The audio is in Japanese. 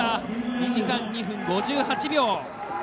２時間２分５８秒。